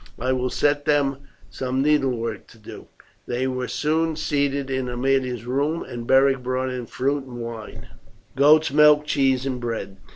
I will set them some needlework to do." They were soon seated in Aemilia's room, and Beric brought in fruit and wine, goat's milk, cheese, and bread.